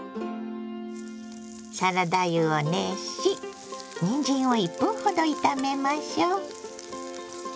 サラダ油を熱しにんじんを１分ほど炒めましょ。